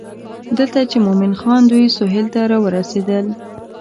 دلته چې مومن خان دوی سهیل ته راورسېدل.